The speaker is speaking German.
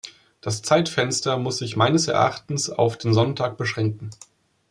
Das Zeitfenster muss sich meines Erachtens auf den Sonntag beschränken.